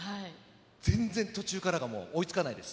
全然途中からがもう、追いつかないです。